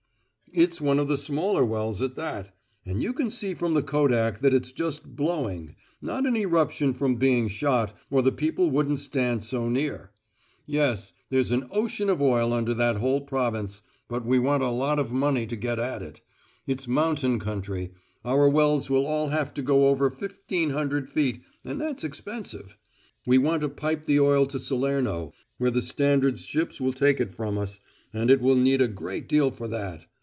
"It's one of the smaller wells at that. And you can see from the kodak that it's just `blowing' not an eruption from being `shot,' or the people wouldn't stand so near. Yes; there's an ocean of oil under that whole province; but we want a lot of money to get at it. It's mountain country; our wells will all have to go over fifteen hundred feet, and that's expensive. We want to pipe the oil to Salerno, where the Standard's ships will take it from us, and it will need a great deal for that.